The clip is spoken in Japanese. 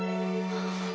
ああ。